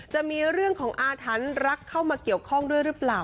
จะมีเรื่องของอาถรรพ์รักเข้ามาเกี่ยวข้องด้วยหรือเปล่า